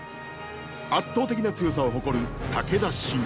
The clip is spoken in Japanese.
圧倒的な強さを誇る武田信玄。